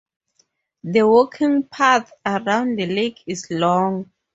The walking path around the lake is long.